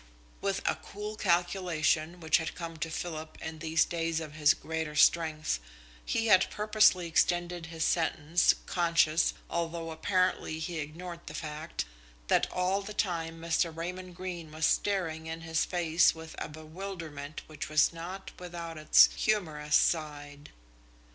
With a cool calculation which had come to Philip in these days of his greater strength, he had purposely extended his sentence, conscious, although apparently he ignored the fact, that all the time Mr. Raymond Greene was staring in his face with a bewilderment which was not without its humorous side.